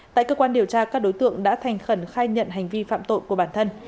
tại cơ quan điều tra các đối tượng đã thành khẩn khai nhận hành vi phạm tội của bản thân